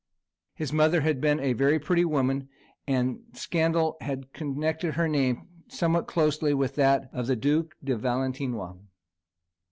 His mother had been a pretty woman, and scandal had connected her name somewhat closely with that of the Duke de Valentinois.